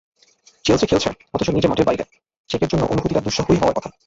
Chelsea খেলছে, অথচ নিজে মাঠের বাইরে—চেকের জন্য অনুভূতিটা দুঃসহই হওয়ার কথা।